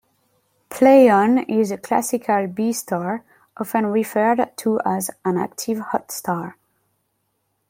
Pleione is a classical Be star, often referred to as an "active hot star".